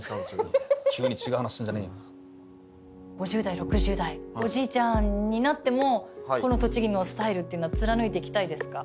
５０代６０代おじいちゃんになってもこの栃木のスタイルっていうのは貫いていきたいですか。